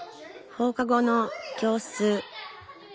放課後の教室。